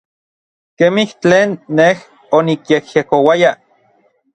Kemij tlen nej onikyejyekouaya.